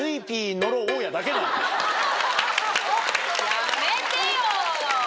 やめてよ！